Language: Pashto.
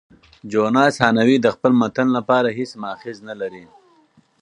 جوناس هانوې د خپل متن لپاره هیڅ مأخذ نه لري.